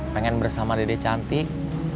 pengen bersama dede cantik